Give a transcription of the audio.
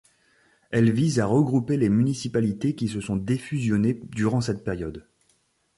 Elles visent à regrouper les municipalités qui se sont défusionnées durant cette période.